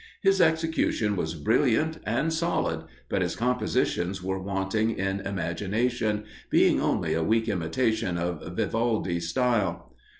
His execution was brilliant and solid, but his compositions were wanting in imagination, being only a weak imitation of Vivaldi's style.